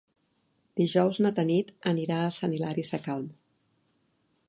Dijous na Tanit anirà a Sant Hilari Sacalm.